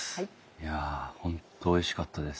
いや本当おいしかったです。